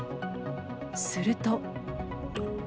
すると。